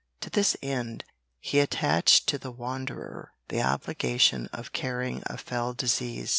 To this end he attached to the Wanderer the obligation of carrying a fell disease.